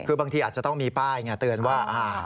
คือบางทีอาจจะต้องมีป้ายไงเตือนว่า